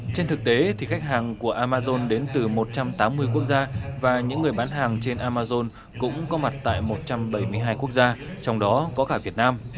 trên thực tế khách hàng của amazon đến từ một trăm tám mươi quốc gia và những người bán hàng trên amazon cũng có mặt tại một trăm bảy mươi hai quốc gia trong đó có cả việt nam